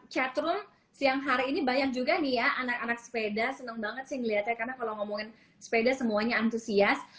chatroom siang hari ini banyak juga nih ya anak anak sepeda seneng banget sih ngeliatnya karena kalau ngomongin sepeda semuanya antusias